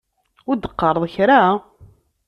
Ur d-teqqareḍ kra?